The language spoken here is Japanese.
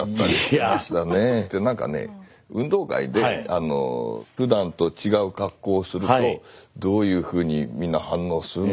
運動会でふだんと違う格好をするとどういうふうにみんな反応するのかなって。